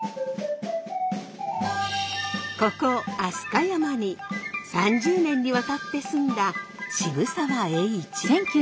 ここ飛鳥山に３０年にわたって住んだ渋沢栄一。